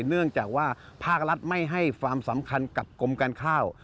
เนื่องจากว่าภาครัฐไม่ให้ความสำคัญกับกรมการข้าว